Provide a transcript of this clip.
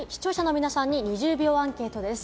視聴者の皆さんに２０秒アンケートです。